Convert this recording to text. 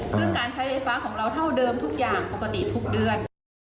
ซึ่งการใช้ไฟฟ้าของเราเท่าเดิมทุกอย่างปกติทุกเดือน